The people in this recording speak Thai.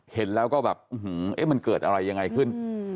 เห็นแล้วก็แบบมันเกิดอะไรยังไงขึ้น